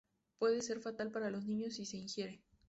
Puede ser fatal para los niños si se ingiere.